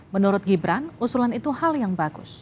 menurut gibran usulan itu hal yang bagus